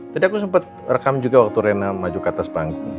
tadi aku sempat rekam juga waktu rena maju ke atas panggung